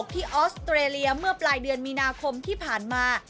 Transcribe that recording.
ออสเตรเลียเมื่อปลายเดือนมีนาคมที่ผ่านมา